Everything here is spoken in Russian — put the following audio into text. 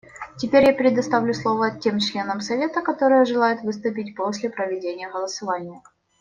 Теперь я предоставлю слово тем членам Совета, которые желают выступить после проведения голосования.